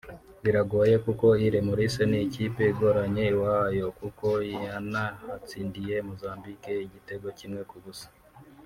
Biragoye kuko Iles Maurices ni ikipe igoranye iwayo kuko yanahatsindiye Mozambique igitego kimwe ku busa